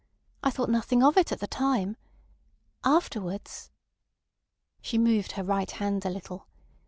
I thought nothing of it at the time. Afterwards—" She moved her right hand a little.